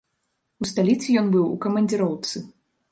У сталіцы ён быў у камандзіроўцы.